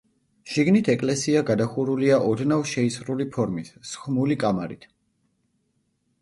შიგნით ეკლესია გადახურულია ოდნავ შეისრული ფორმის, სხმული კამარით.